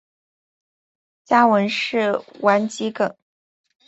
家纹是丸桔梗。